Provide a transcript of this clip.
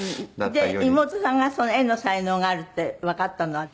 妹さんが絵の才能があるってわかったのは。